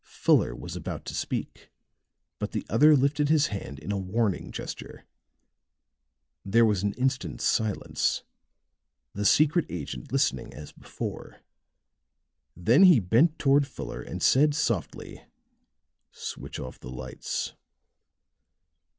Fuller was about to speak, but the other lifted his hand in a warning gesture. There was an instant's silence, the secret agent listening as before; then he bent toward Fuller and said softly: "Switch off the lights!"